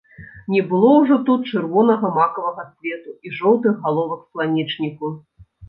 Не было ўжо тут чырвонага макавага цвету і жоўтых галовак сланечніку.